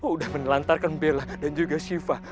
udah menelantarkan bella dan juga shiva